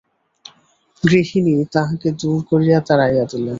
গৃহিণী তাহাকে দূর করিয়া তাড়াইয়া দিলেন।